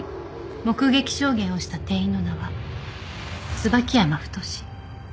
目撃証言をした店員の名は椿山太。